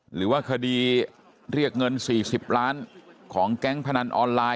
หรือว่าคดีเรียกเงิน๔๐ล้านของแก๊งพนันออนไลน์